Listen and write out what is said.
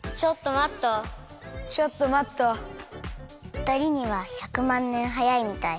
ふたりには１００まんねんはやいみたい。